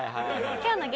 今日の激